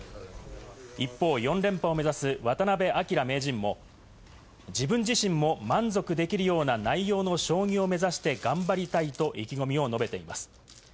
一方、４連覇を目指す渡辺明名人も自分自身も満足できるような内容の将棋を目指して頑張りたいと意気込みを述べています。